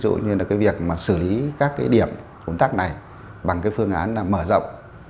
ví dụ như là cái việc mà xử lý các cái điểm ồn tắc này bằng cái phương án là mở rộng